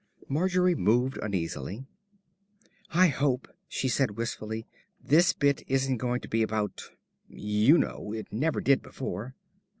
Margery moved uneasily. "I hope," she said wistfully, "this bit isn't going to be about you know. It never did before."